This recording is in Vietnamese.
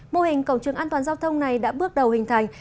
mô hình cổng trường an toàn giao thông này đã bước đầu hình thành